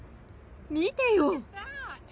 見てよ。